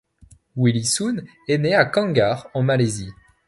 Willie Soon est né à Kangar en Malaisie.